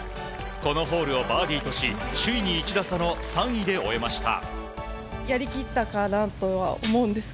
このホールをバーディーとし首位に１打差の３位で終えました。